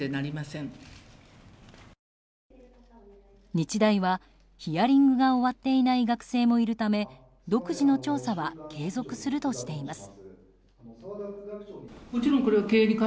日大は、ヒアリングが終わっていない学生もいるため独自の調査は継続するとしています。